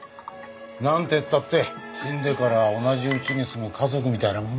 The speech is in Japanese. なんてったって死んでからは同じ家に住む家族みたいなもんだ。